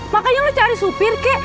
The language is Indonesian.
makanya jangan cari supir kek